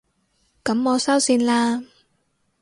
噉我收線喇